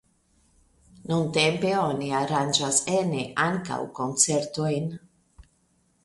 Nuntempe oni aranĝas ene ankaŭ koncertojn.